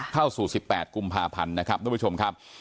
เข้าสู่๑๘กุมภาพันธ์นะครับ